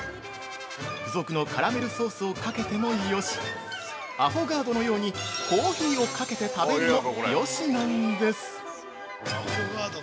付属のカラメルソースをかけてもよしアフォガードのようにコーヒーをかけて食べるもよしなんです！